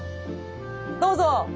どうぞ。